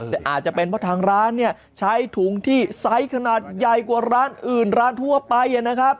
แต่อาจจะเป็นเพราะทางร้านเนี่ยใช้ถุงที่ไซส์ขนาดใหญ่กว่าร้านอื่นร้านทั่วไปนะครับ